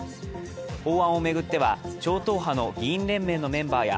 法案を巡っては超党派の議員連盟のメンバーや